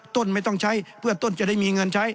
ต้นไม่ต้องใช้เพื่อต้นจะได้มีเงินใช้